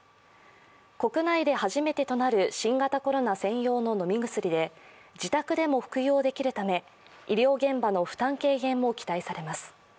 国内で初めてとなる新型コロナ専用の飲み薬で自宅でも服用できるため医療現場の負担軽減も期待されます。